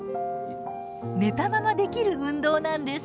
寝たままできる運動なんです。